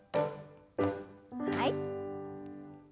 はい。